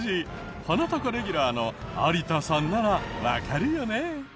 『ハナタカ』レギュラーの有田さんならわかるよね？